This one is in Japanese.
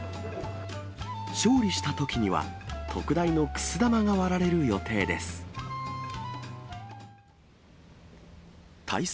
勝利したときには、特大のくす玉が割られる予定です。